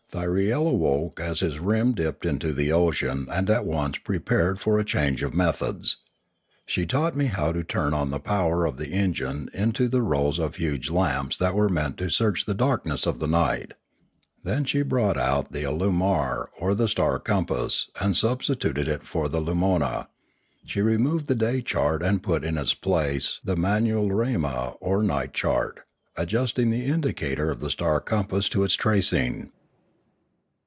Thyriel awoke as his rim dipped into the ocean and at once prepared for a change of methods. She taught me how to turn on the power of the engine into the rows of huge lamps that were meant to search the darkness of the night. Then she brought out the alumare or star compass and substituted it for the lumona; she removed the day chart and put in its place the manularema or night chart, adjusting the indicator of the star compass to its tracing.